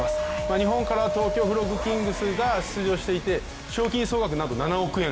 日本から東京フロッグキングスが出場していて賞金総額なんと７億円。